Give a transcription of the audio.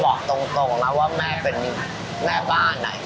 บอกตรงนะว่าแม่เป็นแม่บ้าน